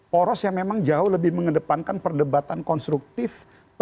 poros yang memang jauh lebih mengedepankan perdebatan konstruktif